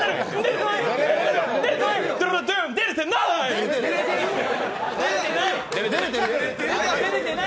出れてない！